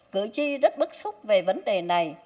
cử tri rất bức xúc về vấn đề này